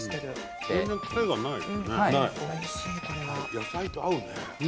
野菜と合うね。